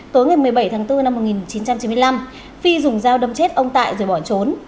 tối ngày một mươi bảy tháng bốn năm một nghìn chín trăm chín mươi năm phi dùng dao đâm chết ông tại rồi bỏ trốn